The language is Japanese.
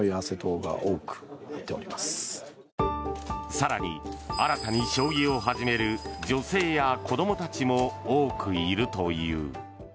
更に、新たに将棋を始める女性や子どもたちも多くいるという。